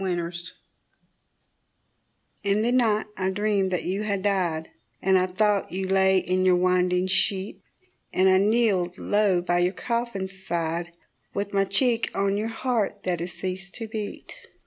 A DREAM In the night I dreamed that you had died, And I thought you lay in your winding sheet; And I kneeled low by your coffin side, With my cheek on your heart that had ceased to beat.